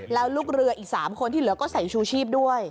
แล้วลูกเรืออีก๓คนที่เหลือก็ใส่ชูชีพด้วย